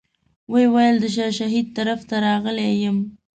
ویې ویل د شاه شهید طرف ته راغلی یم.